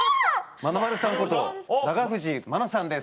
まなまるさんこと永藤まなさんです。